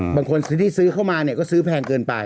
บางคนที่ซื้อเข้ามาเนี่ยก็ซื้อแพงเกินไป